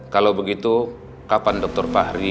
kalau begitu kapan dr fahri